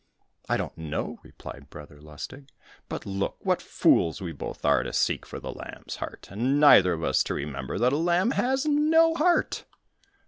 "I don't know," replied Brother Lustig, "but look, what fools we both are, to seek for the lamb's heart, and neither of us to remember that a lamb has no heart!"